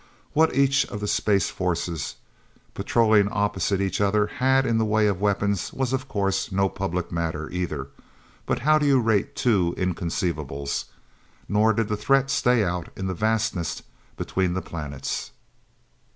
What each of the space forces, patrolling opposite each other, had in the way of weapons, was of course no public matter, either; but how do you rate two inconceivables? Nor did the threat stay out in the vastness between the planets.